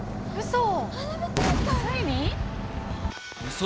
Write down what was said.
うそ。